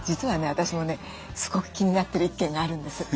私もねすごく気になってる１軒があるんです。